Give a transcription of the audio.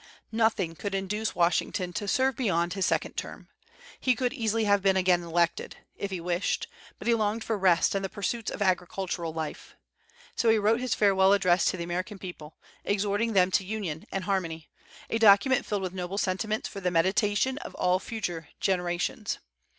Nothing could induce Washington to serve beyond his second term. He could easily have been again elected, if he wished, but he longed for rest and the pursuits of agricultural life. So he wrote his Farewell Address to the American people, exhorting them to union and harmony, a document filled with noble sentiments for the meditation of all future generations.